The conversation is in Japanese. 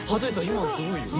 今のすごいよ。